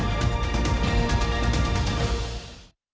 มีความรู้สึกว่ามีความรู้สึกว่า